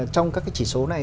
trong các cái chỉ số này